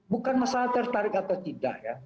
bukan masalah tertarik atau tidak ya